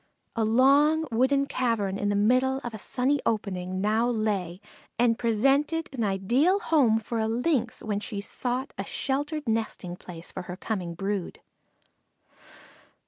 A long wooden cavern in the middle of a sunny opening, it now lay, and presented an ideal home for a Lynx when she sought a sheltered nesting place for her coming brood.